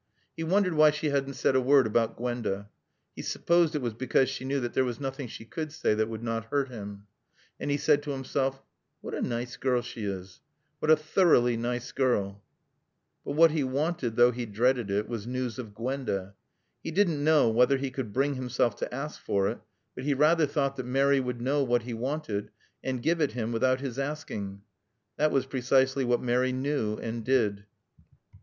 He wondered why she hadn't said a word about Gwenda. He supposed it was because she knew that there was nothing she could say that would not hurt him. And he said to himself, "What a nice girl she is. What a thoroughly nice girl." But what he wanted, though he dreaded it, was news of Gwenda. He didn't know whether he could bring himself to ask for it, but he rather thought that Mary would know what he wanted and give it him without his asking. That was precisely what Mary knew and did.